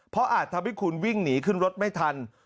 เพราะอาจทำให้คุณวิ่งหนีขึ้นรถไม่ทัน